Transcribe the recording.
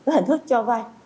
hình thức cho vay